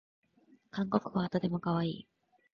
韓国語はとてもかわいい